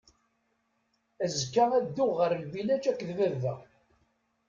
Azekka ad dduɣ ɣer lbilaǧ akked baba.